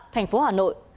thành phố hà nội